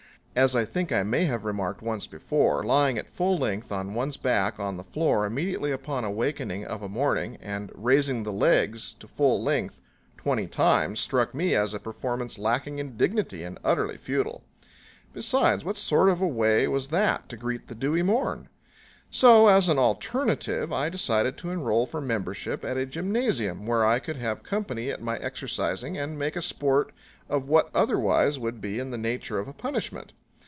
As I think I may have remarked once before, lying at full length on one's back on the floor immediately upon awakening of a morning and raising the legs to full length twenty times struck me as a performance lacking in dignity and utterly futile. Besides, what sort of a way was that to greet the dewy morn? So as an alternative I decided to enroll for membership at a gymnasium where I could have company at my exercising and make a sport of what otherwise would be in the nature of a punishment.